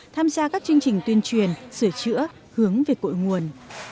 trình tuyên truyền sửa chữa hướng về cội nguồn